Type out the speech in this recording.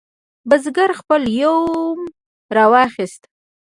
بزګر خپل یوم راواخست.